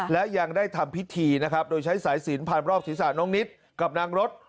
และยังได้ทำพิธีนะครับโดยใช้สายศีลพันธุ์ลอบศีรษะน้องนิทกับน้องรถ